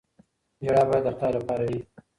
ژړا باید د خدای لپاره وي.